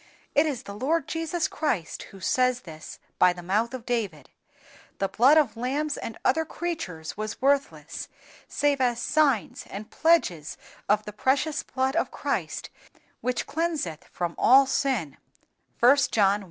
_" It is the Lord Jesus Christ who says this by the mouth of David. The blood of lambs and other creatures was worthless, save as signs and pledges of the precious blood of Christ which cleanseth from all sin, (John i.